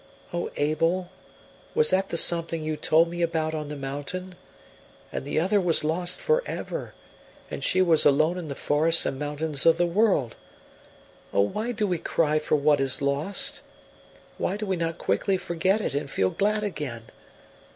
O Abel, was that the something you told me about on the mountain? And the other was lost for ever, and she was alone in the forests and mountains of the world. Oh, why do we cry for what is lost? Why do we not quickly forget it and feel glad again?